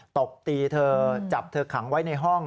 ตบตีเธอจับเธอขังไว้ในห้อง